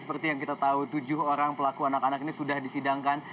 seperti yang kita tahu tujuh orang pelaku anak anak ini sudah disidangkan